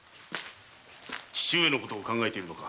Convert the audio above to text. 父上のことを考えているのか？